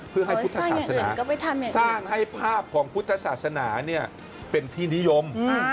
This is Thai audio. เพื่อให้พุทธศาสนาสร้างให้ภาพของพุทธศาสนาเป็นที่นิยม